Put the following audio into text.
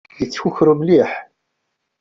Yettkukru mliḥ.